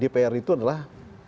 dpr itu adalah